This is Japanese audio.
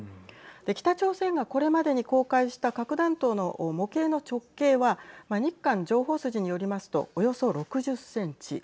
北朝鮮がこれまでに公開した核弾頭の模型の直径は日韓情報筋によりますとおよそ６０センチ。